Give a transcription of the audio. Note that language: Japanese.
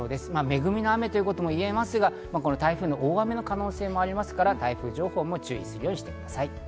恵みの雨ともいえますが、台風の大雨の可能性もありますから、台風情報にも注意するようにしてください。